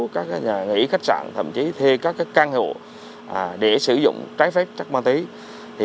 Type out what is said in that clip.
các nhà nghỉ khách sạn thậm chí thuê các căn hộ để sử dụng trái phép chất ma túy